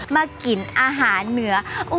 มากินอาหารเหนือ